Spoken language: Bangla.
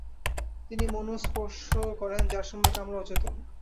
তিনি মনস্পর্শ করেন যার সম্পর্কে আমরা অচেতন।